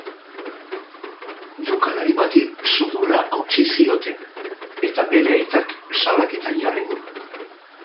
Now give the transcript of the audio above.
Jokalari bati sudurra hautsi zioten, eta bere aitak salaketa jarri du.